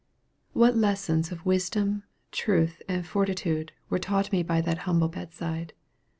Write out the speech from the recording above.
What lessons of wisdom, truth and fortitude were taught me by that humble bed side!